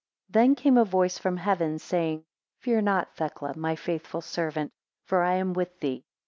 11 Then came a voice from heaven, saying, Fear not Thecla, my faithful servant, for I am with thee.